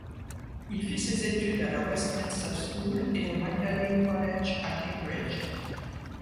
Il fit ses études à la Westminster School et au Magdalene College, à Cambridge.